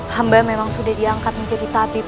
hamba memang sudah diangkat menjadi tabib